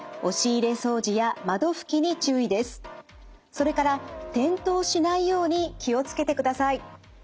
それから転倒しないように気を付けてください。